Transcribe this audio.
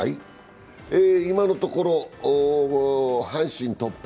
今のところ、阪神がトップ。